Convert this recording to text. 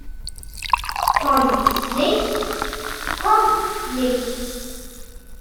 Von nichts komm nichts.